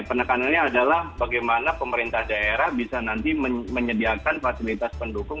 penekanannya adalah bagaimana pemerintah daerah bisa nanti menyediakan fasilitas pendukung